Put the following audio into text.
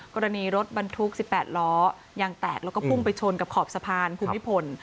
กรณีรถบรรทุก๑๘ล้อยังแตกแล้วก็พุ่งไปชนกับขอบสะพานภูมิพล